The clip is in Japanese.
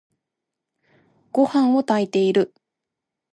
ごはんを炊いている。